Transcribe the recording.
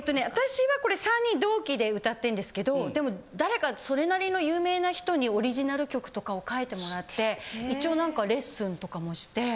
私はこれ３人同期で歌ってんですけどでも誰かそれなりの有名な人にオリジナル曲とかを書いてもらって一応なんかレッスンとかもして。